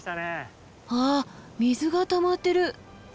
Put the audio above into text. あっ水がたまってる！